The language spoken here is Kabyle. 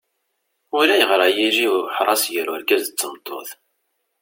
Ulayɣer ad yili uḥras gar urgaz d tmeṭṭut.